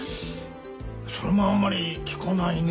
それもあんまり聞かないね。